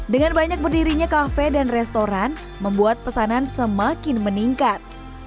dengan banyak berdirinya kafe dan restoran membuat pesanan semakin meningkat